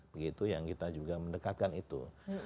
begitu yang kita juga mendekatkan itu